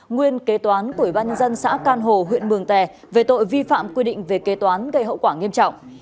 nguyên kế toán của ubnd xã can hồ huyện mường tè về tội vi phạm quy định về kế toán gây hậu quả nghiêm trọng